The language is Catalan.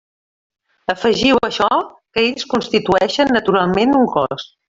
Afegiu a això que ells constitueixen naturalment un cos.